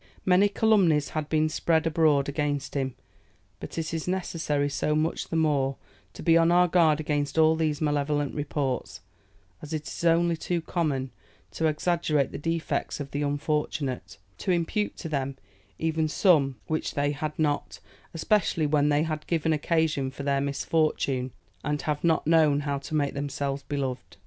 Many calumnies had been spread abroad against him; but it is necessary so much the more to be on our guard against all these malevolent reports "as it is only too common to exaggerate the defects of the unfortunate, to impute to them even some which they had not, especially when they have given occasion for their misfortune, and have not known how to make themselves beloved.